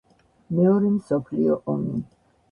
მეორე მსოფლიო ომი.